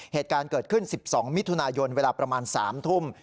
เหตุการณ์เกิดขึ้น๑๒มิถุนายนเวลาประมาณ๓ทุ่ม